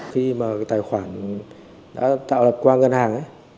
khi mà tài khoản đã tạo lập qua ngân hàng